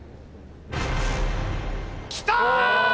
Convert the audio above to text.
きた！